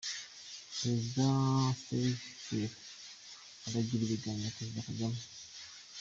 Perezida Sirleaf aragirana ibiganiro na Perezida Kagame.